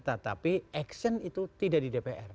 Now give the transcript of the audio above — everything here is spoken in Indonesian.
tetapi action itu tidak di dpr